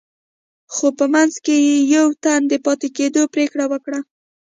خو په منځ کې يې يوه تن د پاتې کېدو پرېکړه وکړه.